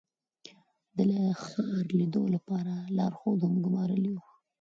د ښار لیدو لپاره لارښود هم ګمارلی و.